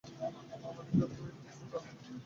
আমেরিকাতেও এর কিছু গ্রাহক হতে পারে।